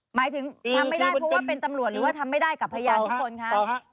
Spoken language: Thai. หมายถึงทำไม่ได้เพราะว่าเป็นตำรวจหรือว่าทำไม่ได้กับพยานทุกคนคะ